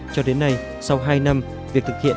cho đến nay sau hai năm việc thực hiện